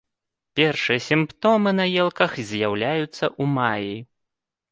Першыя сімптомы на елках з'яўляюцца ў маі.